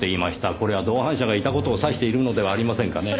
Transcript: これは同伴者がいた事を指しているのではありませんかね。